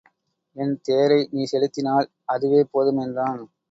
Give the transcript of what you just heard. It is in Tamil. என் தேரை நீ செலுத்தினால் அதுவே போதும் என்றான்.